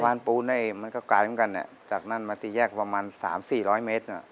สะพานปูนเนี่ยมันก็กลายเหมือนกันเนี่ยจากนั้นมาที่แยกประมาณสามสี่ร้อยเมตรน่ะ